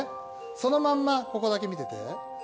そのままここだけ見ててよ。